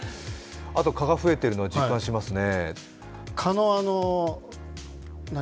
あと蚊が増えてるの、実感しますね。